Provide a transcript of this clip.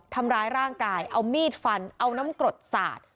ทำร้ายร่างกายเอามีดฟันเอาน้ำกรดสาด